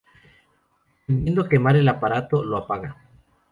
Temiendo quemar el aparato, lo apaga.